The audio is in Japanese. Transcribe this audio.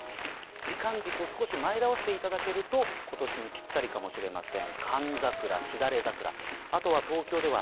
時間軸を少し前倒していただくと今年にぴったりかもしれません。